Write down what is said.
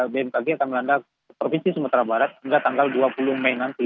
bmkg akan melanda provinsi sumatera barat hingga tanggal dua puluh mei nanti